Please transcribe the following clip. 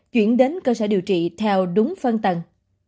chuyển đến cơ sở điều trị theo đúng phân tầng